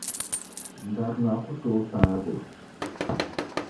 barina ku tooi paagi o.